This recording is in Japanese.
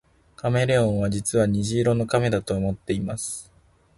カメレオンは実は虹色の亀だと思っています